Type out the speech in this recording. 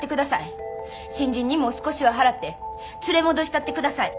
新人にも少しは払って連れ戻したってください。